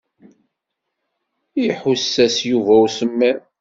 Iḥuss-as Yuba i usemmiḍ.